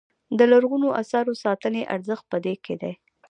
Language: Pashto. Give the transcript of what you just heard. د لرغونو اثارو ساتنې ارزښت په دې کې دی.